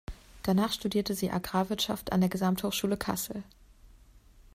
Danach studierte sie Agrarwirtschaft an der Gesamthochschule Kassel.